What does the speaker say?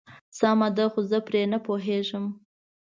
سمه ده خو زه پرې نه پوهيږم.